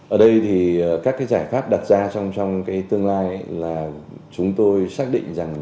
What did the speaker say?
ở đây thì các cái giải pháp đặt ra trong cái tương lai là chúng tôi xác định rằng